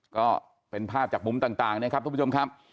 ก็เป็นภาพจากมุมต่างนะครับทุกผู้ชมครับ